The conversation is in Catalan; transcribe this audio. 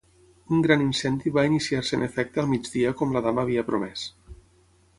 Un gran incendi va iniciar-se en efecte al migdia com la dama havia promès.